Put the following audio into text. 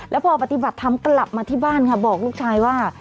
แล้วพอปฏิบัติธรรมกลับมาที่บ้านค่ะบอกลูกชายว่า